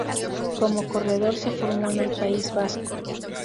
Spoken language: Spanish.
Como corredor se formó en el País Vasco.